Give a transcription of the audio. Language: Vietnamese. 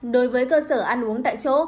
đối với cơ sở ăn uống tại chỗ